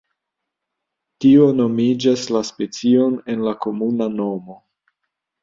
Tio nomigas la specion en la komuna nomo.